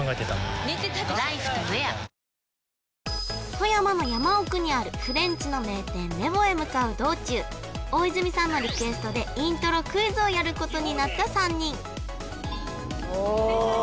富山の山奥にあるフレンチの名店レヴォへ向かう道中大泉さんのリクエストでイントロクイズをやることになった３人「異邦人」・正解ですおお